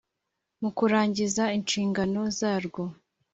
Mu kurangiza inshingano zarwo